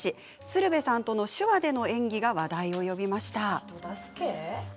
鶴瓶さんとの手話での演技が話題を呼びました。